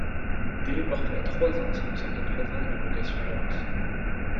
Délai porté à trois ans si nous sommes en présence d'une location gérance.